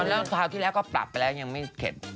แล้วคราวที่แล้วก็ปรับไปแล้วยังไม่เข็ด